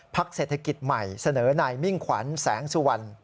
เศรษฐกิจใหม่เสนอนายมิ่งขวัญแสงสุวรรณ